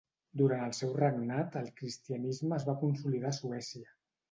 Durant el seu regnat el cristianisme es va consolidar a Suècia.